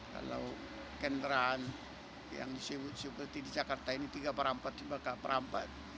kalau kendaraan yang disebut seperti di jakarta ini tiga perampat lima perampat